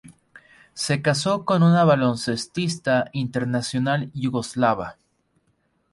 Se casó con una baloncestista internacional yugoslava.